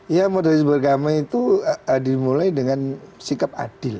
ya moderasi beragama itu dimulai dengan sikap adil